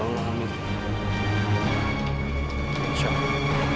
semoga saja teman teman tuhan selamat semua